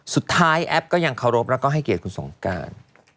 แอปก็ยังเคารพแล้วก็ให้เกียรติคุณสงการ